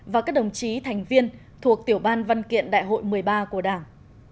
và các đồng chí thành viên thuộc tiểu ban văn kiện đại hội một mươi ba của đảng